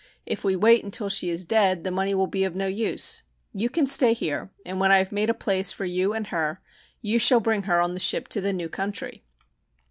If we wait until she is dead the money will be of no use. You can stay here, and when I have made a place for you and her, you shall bring her on the ship to the new country."